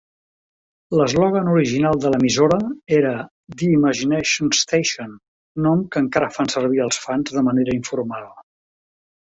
L'eslògan original de l'emissora era "The Imagination Station", nom que encara fan servir els fans de manera informal.